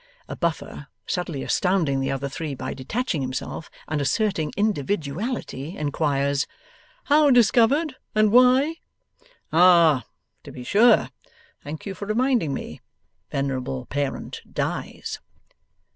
A Buffer, suddenly astounding the other three, by detaching himself, and asserting individuality, inquires: 'How discovered, and why?' 'Ah! To be sure. Thank you for reminding me. Venerable parent dies.